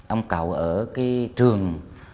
ông cậu ở cái trường